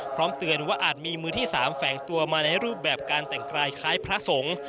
พร้อมเตือนว่าอาจมีมือที่๓แฝงตัวมาในรูปแบบการแต่งกายคล้ายพระสงฆ์